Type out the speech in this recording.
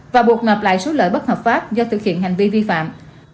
và buộc nộp lại số lợi bất hợp pháp do thực hiện hành vi vi phạm